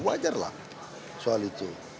wajar lah soal itu